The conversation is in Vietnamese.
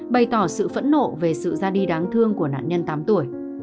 bày tỏ sự phẫn nộ về sự ra đi đáng thương của nạn nhân tám tuổi